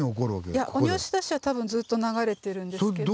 いや鬼押出は多分ずっと流れてるんですけど。